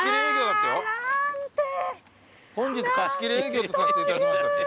本日貸し切り営業とさせていただきますだって。